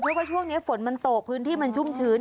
เพราะว่าช่วงนี้ฝนมันตกพื้นที่มันชุ่มชื้น